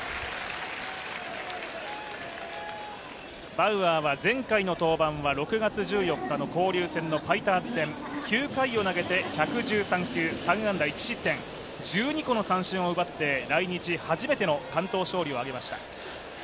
バウアーは前回の登板は６月１４日の交流戦のファイターズ戦、９回を投げて１１３球３安打１失点、１２個の三振を奪って来日初めての完投勝利を挙げました。